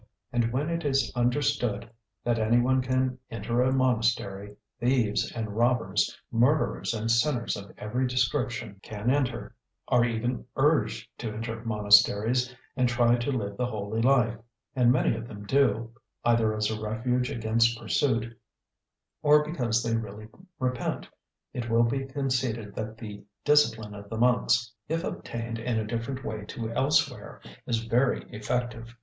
And when it is understood that anyone can enter a monastery thieves and robbers, murderers and sinners of every description, can enter, are even urged to enter monasteries, and try to live the holy life; and many of them do, either as a refuge against pursuit, or because they really repent it will be conceded that the discipline of the monks, if obtained in a different way to elsewhere, is very effective.